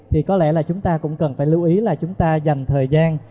thì có lẽ là chúng ta cũng cần phải lưu ý là chúng ta dành thời gian